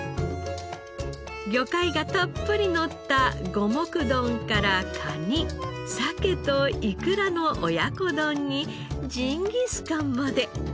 魚介がたっぷりのった五目丼からカニサケとイクラの親子丼にジンギスカンまで。